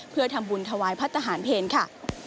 เพื่อทำบุญถวายพระทหารเพลค่ะ